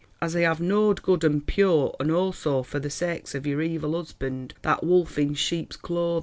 as i heve knowed good and peur and also for the sakes of your evil usband that wulf in scheeps cloathin.